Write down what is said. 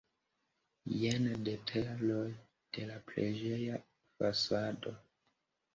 Jen detaloj de la preĝeja fasado.